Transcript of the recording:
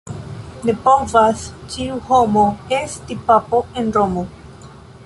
Ne povas ĉiu homo esti papo en Romo.